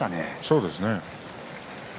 そうですね。